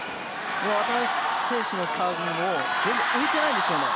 今、渡辺選手のサーブ全部浮いていないんですよね。